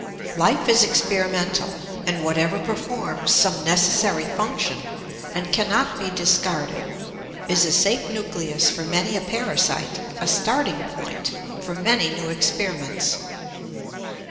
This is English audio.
] Life is experimental, and whatever performs some necessary function, and cannot be discarded, is a safe nucleus for many a parasite, a starting point for many new experiments.